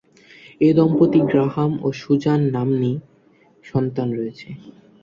এ দম্পতির গ্রাহাম ও সুজান নাম্নী সন্তান রয়েছে।